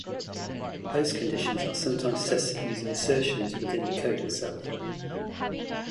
Postconditions are sometimes tested using assertions within the code itself.